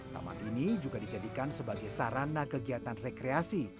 taman ini juga dijadikan sebagai sarana kegiatan rekreasi